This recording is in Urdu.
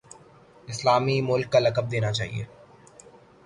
اسلامی ملک کا لقب دینا چاہیے۔